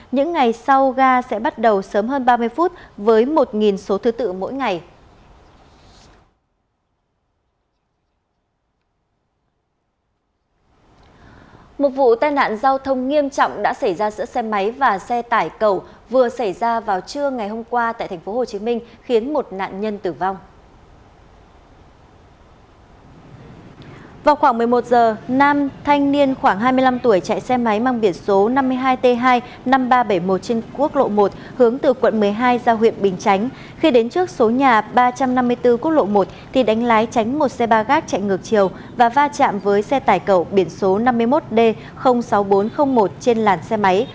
những ngày sau ga sẽ bắt đầu sớm hơn ba mươi phút với một số thứ tự mỗi ngày